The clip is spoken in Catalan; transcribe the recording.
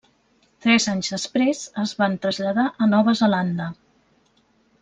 Tres anys després es van traslladar a Nova Zelanda.